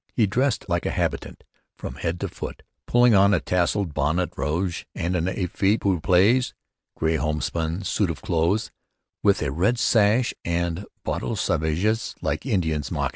He dressed like a habitant from head to foot, putting on a tasselled bonnet rouge and an etoffe du pays (grey homespun) suit of clothes, with a red sash and bottes sauvages like Indian moccasins.